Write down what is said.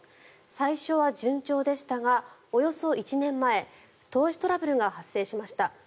最初は順調でしたがおよそ１年前投資トラブルが発生しました。